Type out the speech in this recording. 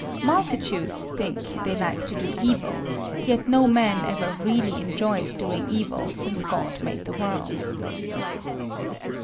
Multitudes think they like to do evil; yet no man ever really enjoyed doing evil since God made the world.